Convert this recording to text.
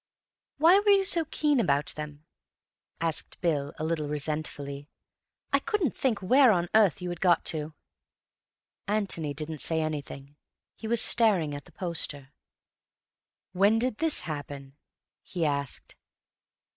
"Why were you so keen about them?" asked Bill a little resentfully. "I couldn't think where on earth you had got to." Antony didn't say anything. He was staring at the poster. "When did this happen?" he asked.